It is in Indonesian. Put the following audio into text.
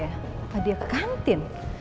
apa dia ke kantin